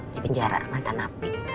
dibenjara dengan tanah api